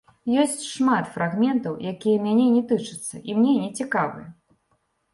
Ёсць шмат фрагментаў, якія мяне не тычацца і мне не цікавыя.